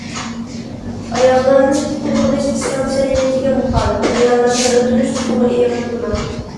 ئاياللارنى تۇتقۇن قىلىش ئىسلام شەرىئىتىگە مۇخالىپ، ئاياللارنى ئۆلتۈرۈش تېخىمۇ ئېغىر گۇناھ.